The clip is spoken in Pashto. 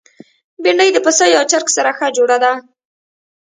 بېنډۍ د پسه یا چرګ سره ښه جوړه ده